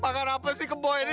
aduh apaan tuh ini